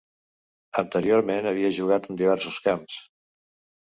Anteriorment havia jugat en diversos camps.